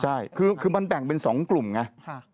ใช่คือมันแบ่งเป็น๒กลุ่มไง